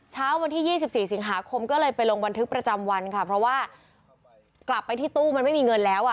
เช้าวันที่๒๔สิงหาคมก็เลยไปลงบันทึกประจำวันค่ะเพราะว่ากลับไปที่ตู้มันไม่มีเงินแล้วอ่ะ